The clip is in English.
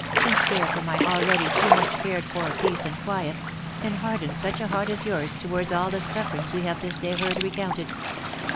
since care for my already too much cared for peace and quiet, can harden such a heart as yours towards all the sufferings we have this day heard recounted